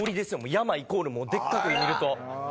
山イコールでっかく見ると。